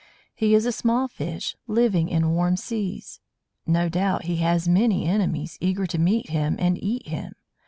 He is a small fish, living in warm seas. No doubt he has many enemies, eager to meet him and eat him.